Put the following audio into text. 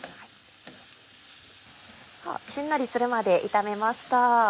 しんなりするまで炒めました。